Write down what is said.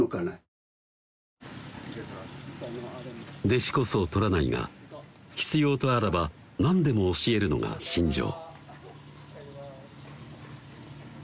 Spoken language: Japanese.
弟子こそ取らないが必要とあらば何でも教えるのが信条